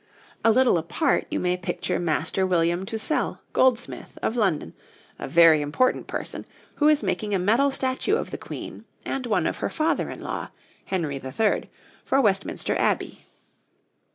A little apart you may picture Master William Tousell, goldsmith, of London, a very important person, who is making a metal statue of the Queen and one of her father in law, Henry III., for Westminster Abbey.